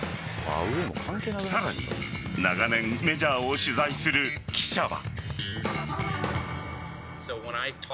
さらに長年、メジャーを取材する記者は。